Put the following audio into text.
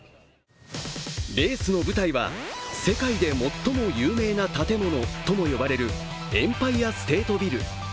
レースの舞台は、世界で最も有名な建物とも呼ばれるエンパイアステートビル。